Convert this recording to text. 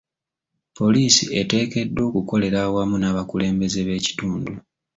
Poliisi eteekeddwa okukolera awamu n'abakulembeze b'ekitundu.